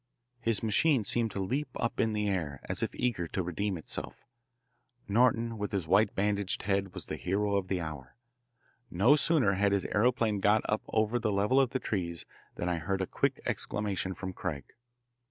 His machine seemed to leap up in the air as if eager to redeem itself. Norton with his white bandaged head was the hero of the hour. No sooner had his aeroplane got up over the level of the trees than I heard a quick exclamation from Craig.